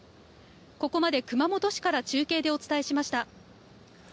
ここまで、熊本市から中継でお伝えしました。